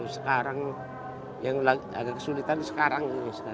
sekarang yang agak kesulitan sekarang